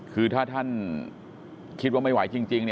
คือถ้าท่านคิดว่าไม่ไหวจริง